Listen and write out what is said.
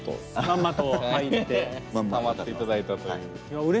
ハマっていただいたという。